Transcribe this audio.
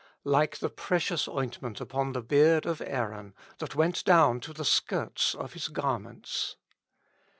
" Like the precious ointment upon the beard of Aaron, that went down to the skirts of his gar ments."